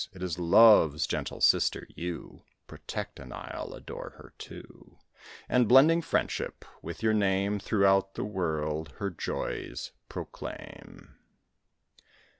It is Love's gentle sister you Protect, and I'll adore her, too; And, blending Friendship with your name, Throughout the world her joys proclaim.